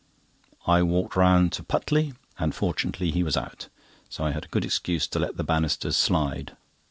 I walked round to Putley, and fortunately he was out, so I had a good excuse to let the banisters slide.